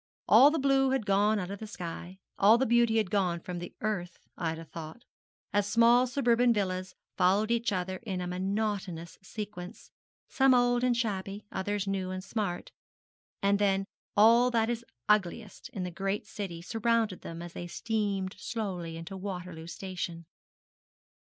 All the blue had gone out of the sky, all the beauty had gone from the earth, Ida thought, as small suburban villas followed each other in a monotonous sequence, some old and shabby, others new and smart; and then all that is ugliest in the great city surrounded them as they steamed slowly into Waterloo station.